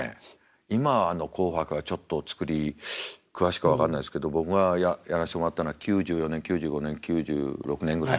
今あの「紅白」はちょっと作り詳しくは分かんないですけど僕がやらせてもらったのは９４年９５年９６年ぐらい。